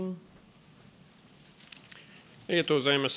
ありがとうございます。